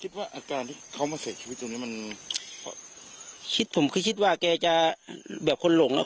ว่าอาการที่เขามาเสียชีวิตตรงนี้มันคิดผมคือคิดว่าแกจะแบบคนหลงอ่ะ